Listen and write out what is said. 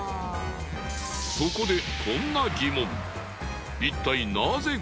そこでこんな疑問。